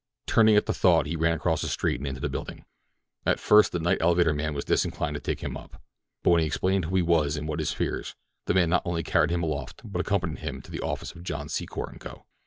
Turning at the thought, he ran across the street and into the building. At first the night elevator man was disinclined to take him up; but when be explained who he was and what his fears, the man not only carried him aloft but accompanied him to the office of John Secor & Co.